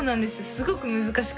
すごく難しくて。